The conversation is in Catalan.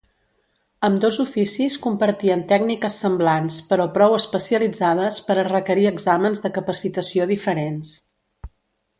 Ambdós oficis compartien tècniques semblants però prou especialitzades per a requerir exàmens de capacitació diferents.